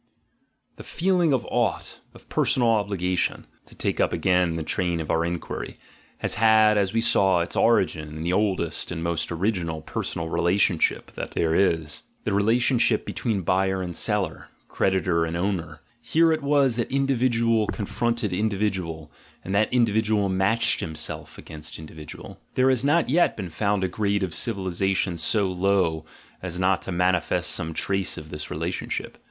The feeling of "ought," of personal obligation (to take up again the train of our inquiry), has had, as we saw, its origin in the oldest and most original personal relationship that there is, the relationship between buyer and seller, creditor and owner: here it was that individual confronted individual, and that individual matched himself against individual. There has not yet been found a grade of civilisation so low, as not to manifest some trace of this relationship.